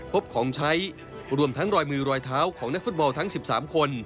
พบของใช้รวมทั้งรอยมือรอยเท้าของนักฟุตบอลทั้ง๑๓คน